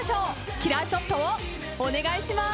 キラーショットをお願いします。